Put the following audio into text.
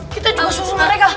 kita coba susun mereka